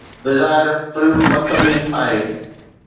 بظاهر فلم بدتميز آهي